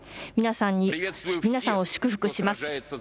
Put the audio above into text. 皆さんを祝福します。